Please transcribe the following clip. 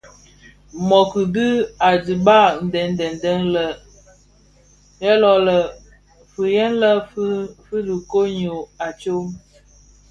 Mōōki dhi a diba deň deň deň yè lō lè fighèlèn fi dhi koň ňyô a tsom.